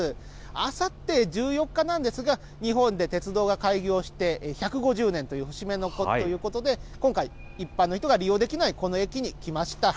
あさって１４日なんですが、日本で鉄道が開業して１５０年という節目ということで、今回、一般の人が利用できないこの駅に来ました。